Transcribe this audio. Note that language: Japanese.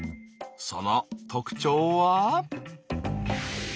その特徴は。